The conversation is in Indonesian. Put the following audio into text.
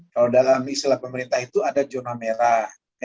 kalau dalam istilah pemerintah itu ada zona merah